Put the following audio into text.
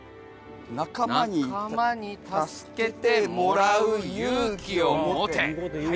「仲間に助けてもらう勇気をもて。」